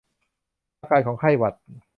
อาการของไข้หวัด